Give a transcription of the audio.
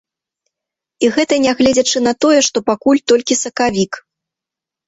І гэта нягледзячы на тое, што пакуль толькі сакавік.